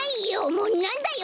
もうなんだよ